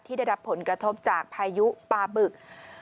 ได้รับผลกระทบจากพายุปลาบึก